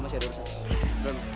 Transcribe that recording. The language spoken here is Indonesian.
masih ada urusan